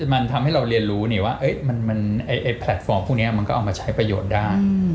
มันทำให้เราเรียนรู้ว่าแพลตฟอร์มพวกนี้มันก็เอามาใช้ประโยชน์ได้